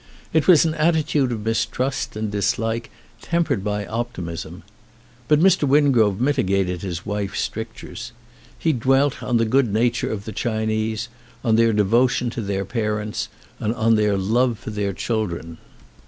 It is an attitude of mistrust and dislike tempered by optimism. But Mr. Wingrove mitigated his wife's strictures. He dwelt on the good nature of the Chinese, on their devotion to their parents and on their love for their children.